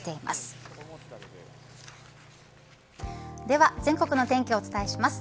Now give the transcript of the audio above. では全国の天気をお伝えします。